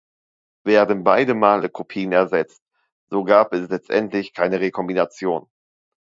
Werden beide Male Kopien ersetzt, so gab es letztendlich keine Rekombination.